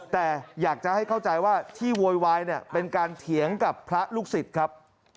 แต่อยากจะให้เข้าใจว่าที่โวยวายเนี่ยเป็นการเถียงกับพระลูกศิษย์ครับ